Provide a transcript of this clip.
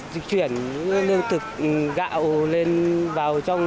dịch chuyển lương thực gạo lên vào trong